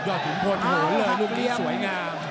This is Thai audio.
อ้าวครับดิสวยงาม